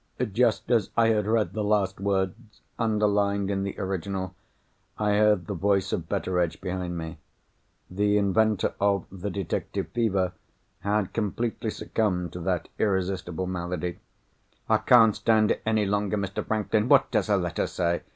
_" Just as I had read the last words—underlined in the original—I heard the voice of Betteredge behind me. The inventor of the detective fever had completely succumbed to that irresistible malady. "I can't stand it any longer, Mr. Franklin. What does her letter say?